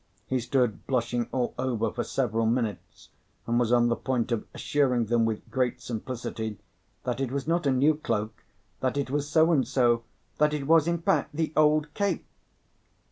He stood blushing all over for several minutes, and was on the point of assuring them with great simplicity that it was not a new cloak, that it was so and so, that it was in fact the old "cape."